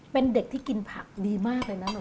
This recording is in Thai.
เป็นเด็กที่กินผักดีมากเลยนะหนู